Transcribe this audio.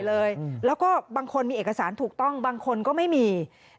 แล้วก็บางคนมีเอกสารถูกต้องบางคนก็ไม่มี